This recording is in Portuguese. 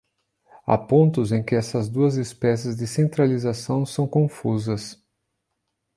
Há pontos em que essas duas espécies de centralização são confusas.